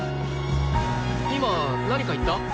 今何か言った？